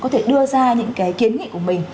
tiến ra những kiến nghị của mình